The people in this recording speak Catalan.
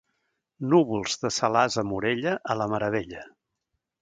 Núvols de Salàs a Morella, a la meravella.